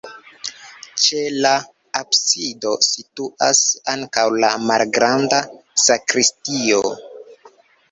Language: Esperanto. Ĉe la absido situas ankaŭ la malgranda sakristio.